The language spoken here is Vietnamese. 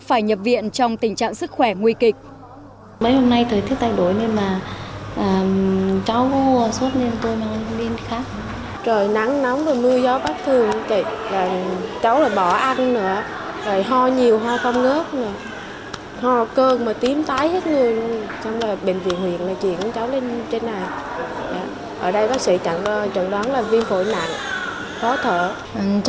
phải nhập viện trong tình trạng sức khỏe nguy kịch